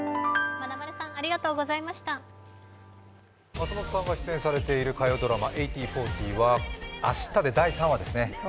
松本さんが出演されている火曜ドラマ「１８／４０」は明日で第３話ですね。